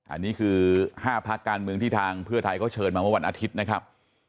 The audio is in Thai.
อันนี้คือ๕พักการเมืองที่ทางเพื่อไทยเขาเชิญมาเมื่อวันอาทิตย์นะครับ